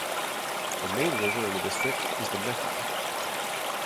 The main river in the district is the Neckar.